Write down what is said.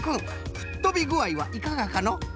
ふっとびぐあいはいかがかの？